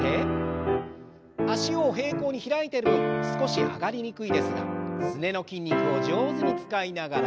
脚を平行に開いてる分少し上がりにくいですがすねの筋肉を上手に使いながら。